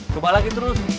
coba lagi terus